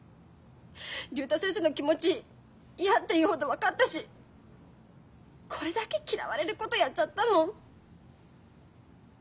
竜太先生の気持ち嫌っていうほど分かったしこれだけ嫌われることやっちゃったもん。